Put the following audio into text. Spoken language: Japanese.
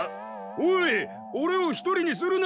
おいオレを１人にするな。